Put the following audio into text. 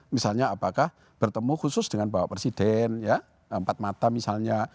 misalnya apakah bertemu khusus dengan bapak presiden empat mata misalnya